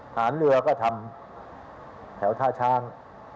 ฐานเรือก็ทำแถวท่าช้าง